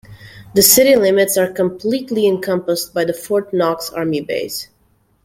The city limits are completely encompassed by the Fort Knox army base.